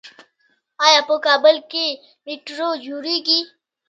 آیا په کابل کې میټرو جوړیږي؟